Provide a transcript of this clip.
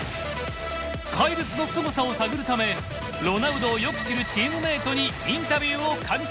怪物のすごさを探るためロナウドをよく知るチームメートにインタビューを敢行。